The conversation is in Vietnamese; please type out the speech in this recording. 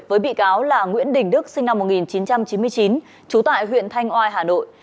với bị cáo là nguyễn đình đức sinh năm một nghìn chín trăm chín mươi chín trú tại huyện thanh oai hà nội